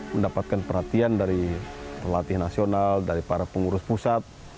mendapatkan perhatian dari pelatih nasional dari para pengurus pusat